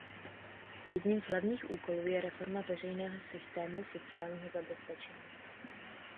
Jedním z hlavních úkolů je reforma veřejného systému sociálního zabezpečení.